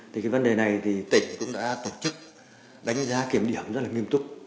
thì cái vấn đề này thì tỉnh cũng đã tổ chức đánh giá kiểm điểm rất là nghiêm túc